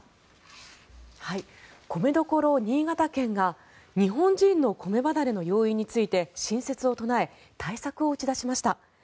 米どころ・新潟県が日本人の米離れの要因について新説を唱え対策を打ち出しました。